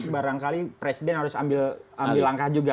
barangkali presiden harus ambil langkah juga